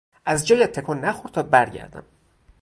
از جایت تکان نخور تا برگردم.